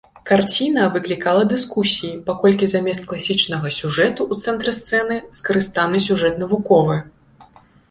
Карціна выклікала дыскусіі, паколькі замест класічнага сюжэту ў цэнтры сцэны скарыстаны сюжэт навуковы.